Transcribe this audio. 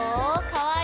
かわいい！